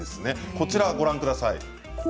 こちらをご覧ください。